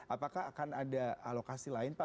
apakah akan ada alokasi lain pak